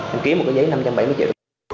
đăng ký một cái giấy năm trăm bảy mươi triệu